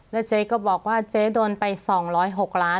แล้วเจ๊ก็บอกว่าเจ๊โดนไป๒๐๖ล้าน